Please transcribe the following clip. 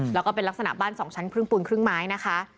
แล้วก็เป็นลักษณะบ้าน๒ชั้นครึ่งปูนครึ่งไม้นะคะ